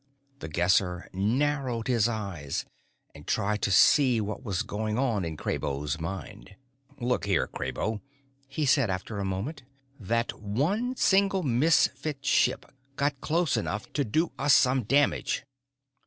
The Guesser narrowed his eyes and tried to see what was going on in Kraybo's mind. "Look here, Kraybo," he said after a moment, "that one single Misfit ship got close enough to do us some damage.